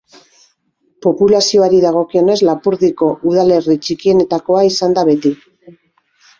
Populazioari dagokionez, Lapurdiko udalerri txikienetakoa izan da beti.